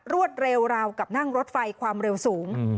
รวดเร็วราวกับนั่งรถไฟความเร็วสูง